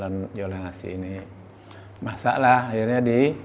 hingga menjadi cikal bakal kesuksesannya